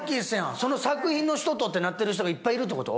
その作品の人とってなってる人がいっぱいいるってこと？